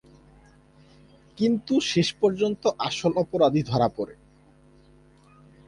কিন্তু শেষ পর্যন্ত আসল অপরাধী ধরা পড়ে।